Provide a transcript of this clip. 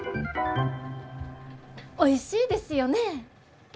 おいしいですよね？